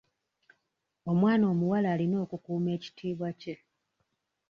Omwana omuwala alina okukuuma ekitiibwa kye.